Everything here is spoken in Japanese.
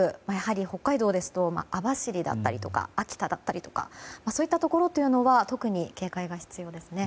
北海道ですと、網走だったり秋田だったりとかそういったところは特に警戒が必要ですね。